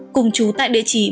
cùng chú tại địa chỉ